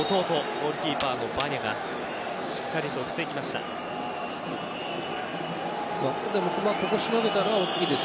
ゴールキーパーのヴァニャがしっかりと防ぎました。